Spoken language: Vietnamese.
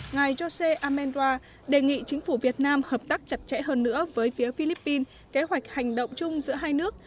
ngài jose amenra đề nghị chính phủ việt nam hợp tác chặt chẽ hơn nữa với phía philippines kế hoạch hành động chung giữa hai nước